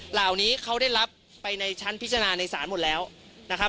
เหล่านี้เขาได้รับไปในชั้นพิจารณาในศาลหมดแล้วนะครับ